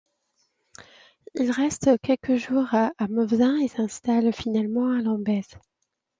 Ils restent quelques jours à Mauvezin et s’installent finalement à Lombez.